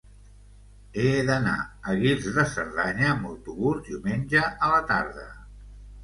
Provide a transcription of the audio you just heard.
He d'anar a Guils de Cerdanya amb autobús diumenge a la tarda.